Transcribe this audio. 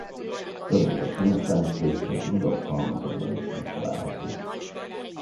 Tömegesen szemcsés vagy rudas halmazokban is megtalálható.